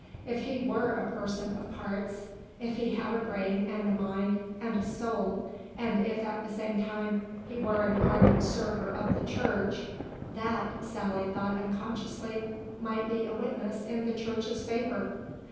If he were a person of parts, if he had a brain and a mind and a soul, and if at the same time he were an ardent server of the Church that, Sally thought unconsciously, might be a witness in the Church's favour.